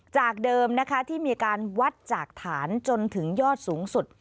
จากเดิมนะคะที่มีการวัดจากฐานจนถึงยอดสูงสุด